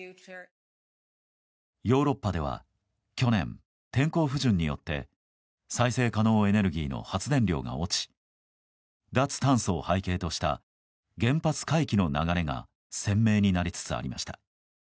ヨーロッパでは去年、天候不順によって再生可能エネルギーの発電量が落ち脱炭素を背景とした原発回帰の流れが鮮明になりつつありました。